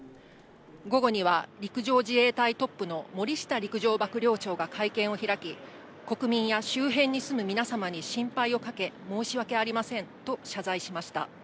午後には陸上自衛隊トップの森下陸上幕僚長が会見を開き、国民や周辺に住む皆様に心配をかけ、申し訳ありませんと謝罪しました。